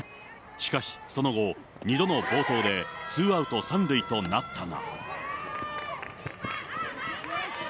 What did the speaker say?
しかし、その後、２度の暴投でツーアウト３塁となったが。